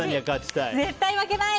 絶対負けない！